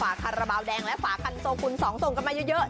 จากทาราบาลแดงและฝากันโซคุณสองส่งกันมาเยอะ